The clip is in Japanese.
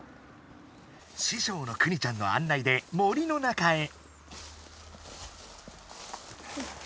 師匠のくにちゃんの案内で森の中へ。